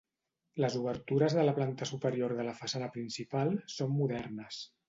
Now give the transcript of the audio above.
Les obertures de la planta superior de la façana principal són modernes.